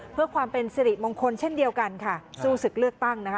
เพื่อความเป็นสิริมงคลเช่นเดียวกันค่ะสู้ศึกเลือกตั้งนะคะ